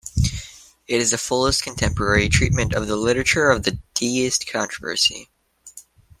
It is the fullest contemporary treatment of the literature of the deist controversy.